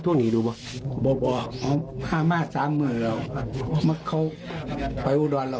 ทุกคนหนีดูบ่ะบอกบอกข้ามาสามหมื่นเหรอมันเขาไปอุดวันเหรอ